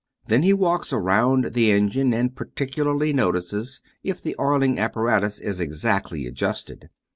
Then he walks around the engine, and particularly notices if the oiling apparatus is exactly adjusted.